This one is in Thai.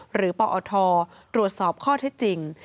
หรือปอตรวจสอบข้อที่จริง